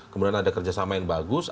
kemudian ada kerjasama yang bagus